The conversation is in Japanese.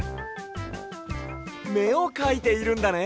めをかいているんだね。